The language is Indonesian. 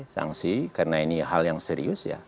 sanksi karena ini hal yang serius ya